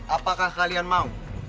apakah kalian mau